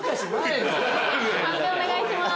判定お願いします。